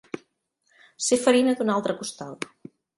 Ser farina d'un altre costal.